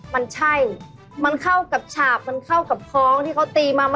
เบอร์๓เนี่ยผมว่าเขาดูแบบเรลาเขาดูแบบ